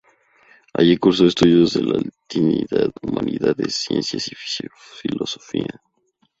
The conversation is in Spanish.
Allí cursó estudios de latinidad, humanidades, ciencias y filosofía.